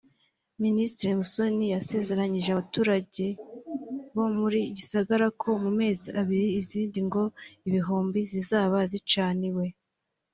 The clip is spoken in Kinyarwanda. Minisitiri Musoni yasezeranyije abaturage bo muri Gisagara ko mu mezi abiri izindi ngo ibihumbi zizaba zicaniwe